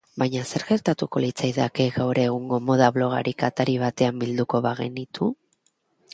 Baina, zer gertatuko litzateke gaur egungo moda blogariak atari batean bilduko bagenitu?